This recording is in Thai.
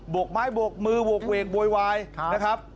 กไม้บกมือโหกเวกโวยวายนะครับ